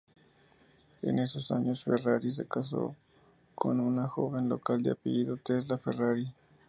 En esos años Ferrari se casó con una joven local de apellido Tesla Ferrari.